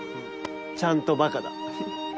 ちゃんとバカだ。